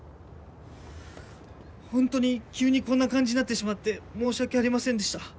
ホントに急にこんな感じになってしまって申し訳ありませんでした。